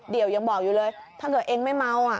เดี๋ยวยังบอกอยู่เลยถ้าเกิดเองไม่เมาอ่ะ